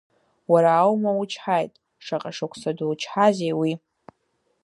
Уара аума учҳаит, шаҟа шықәса дучҳазеи уи?!